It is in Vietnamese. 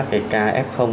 có thể tìm tình hình phân bổ